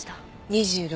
２６